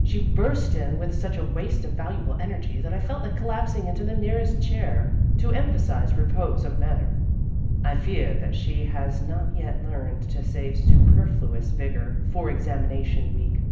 She burst in with such a waste of valuable en ergy that I felt like collapsing into the nearest chair to emphasize repose of man ner. (I fear that she has not yet learned to save superfluous vigor for examination week.)